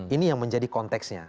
ini yang menjadi konteksnya